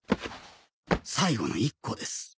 最後の一個です。